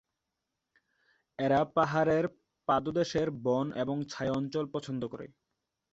এরা পাহাড়ের পাদদেশের বন এবং ছায়া অঞ্চল পছন্দ করে।